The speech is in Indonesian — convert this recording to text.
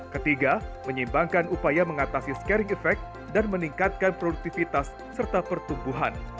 ketiga menyimbangkan upaya mengatasi scaring effect dan meningkatkan produktivitas serta pertumbuhan